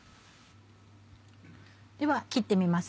では切ってみます。